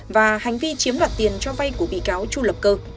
và hành vi chiếm đoạt tiền cho vay của bị cáo chu lập cơ